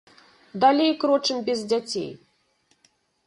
Далей крочым без дзяцей.